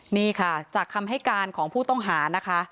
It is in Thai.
นี่ค่ะจากคำให้การของผู้ต้องหานะคะ